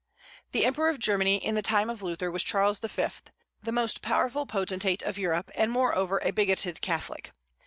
The Emperor of Germany in the time of Luther was Charles V., the most powerful potentate of Europe, and, moreover, a bigoted Catholic.